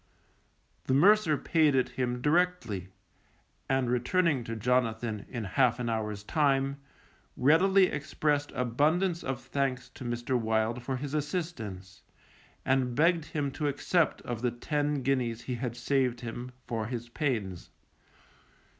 The mercer paid it him directly, and returning to Jonathan in half an hour's time, readily expressed abundance of thanks to Mr. Wild for his assistance, and begged him to accept of the ten guineas he had saved him, for his pains.